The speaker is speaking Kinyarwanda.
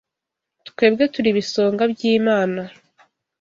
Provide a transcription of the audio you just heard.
Twebwe turi ibisonga by’Imana